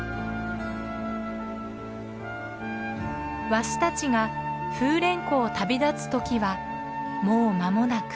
ワシたちが風蓮湖を旅立つ時はもう間もなく。